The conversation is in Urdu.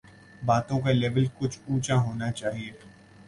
باتوں کا لیول کچھ اونچا ہونا چاہیے۔